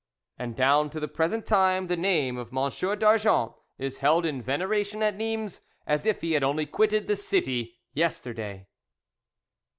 And down to the present time the name of M. d'Argont is held in veneration at Nimes, as if he had only quitted the city yesterday.